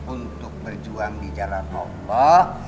untuk berjuang di jalan allah